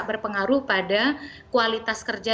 berpengaruh pada kualitas kerja